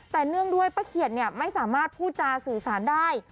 แต่เนื่องด้วยป้าเขียนไม่สามารถพูดจาสื่อสารได้